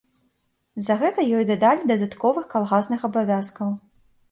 За гэта ёй дадалі дадатковых калгасных абавязкаў.